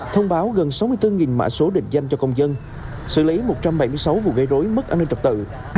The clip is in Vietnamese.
thông báo gần sáu mươi bốn mã số định danh cho công dân xử lý một trăm bảy mươi sáu vụ gây rối mất an ninh trật tự